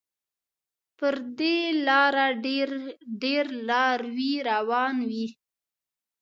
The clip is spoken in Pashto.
پر دې لاره ډېر لاروي روان وي.